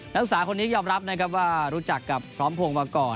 นักศึกษาคนนี้ยอมรับนะครับว่ารู้จักกับพร้อมพงศ์มาก่อน